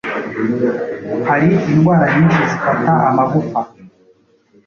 Hari indwara nyinshi zifata amagufa